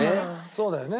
そうだよね。